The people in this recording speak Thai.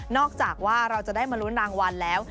อกจากว่าเราจะได้มาลุ้นรางวัลแล้ว